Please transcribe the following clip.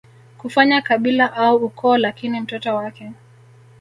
kufanya kabila au ukoo Lakini mtoto wake